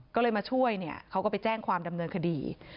ก็เลยมาช่วยเนี่ยเขาก็ไปแจ้งความดำเนินคดี